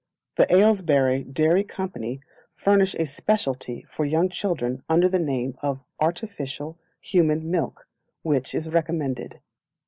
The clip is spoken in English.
The Aylesbury Dairy Company furnish a speciality for young children under the name of "Artificial Human Milk," which is recommended.